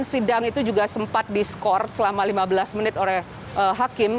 sidang itu juga sempat diskor selama lima belas menit oleh hakim